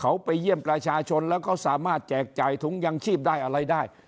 เขาไปเยี่ยมประชาชนแล้วก็สามารถแจกจ่ายถุงยังชีพได้อะไรได้